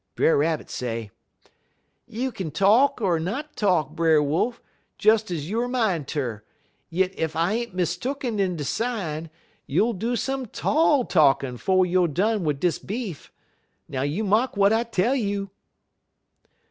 Brer Rabbit say: "'You kin talk er not talk, Brer Wolf, des ez youer min' ter, yit ef I ain't mistooken in de sign, you'll do some tall talkin' 'fo' youer done wid dis beef. Now you mark w'at I tell you!'